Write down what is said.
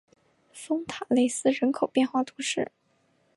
丰塔内斯人口变化图示